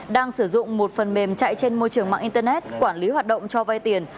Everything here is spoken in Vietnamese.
đang sử dụng một phần mềm chạy trên môi trường mạng internet quản lý hoạt động cho vay tiền